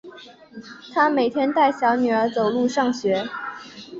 她每天带小女儿走路上学